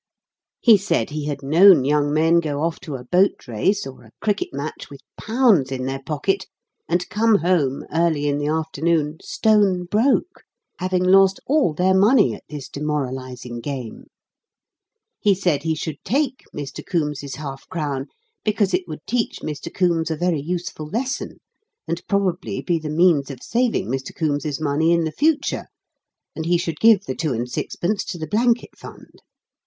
He said he had known young men go off to a boat race, or a cricket match, with pounds in their pocket, and come home, early in the afternoon, stone broke; having lost all their money at this demoralising game. He said he should take Mr. Coombes's half crown, because it would teach Mr. Coombes a very useful lesson, and probably be the means of saving Mr. Coombes's money in the future; and he should give the two and sixpence to the blanket fund.